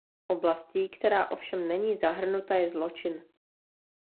Oblastí, která ovšem není zahrnuta, je zločin.